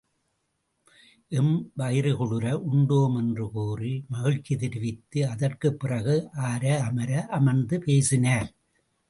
M வயிறு குளிர உண்டோம் என்று கூறி மகிழ்ச்சி தெரிவித்து அதற்குப் பிறகு ஆர அமர அமர்ந்து பேசினார்.